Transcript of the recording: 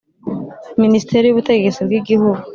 Minisiteri y Ubutegetsi bw igihugu